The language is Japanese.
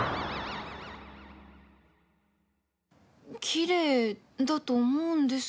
きれいだと思うんですけど。